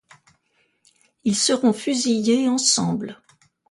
Ils seront fusillés ensemble.